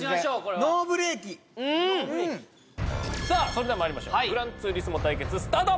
それではまいりましょう「グランツーリスモ」対決スタート！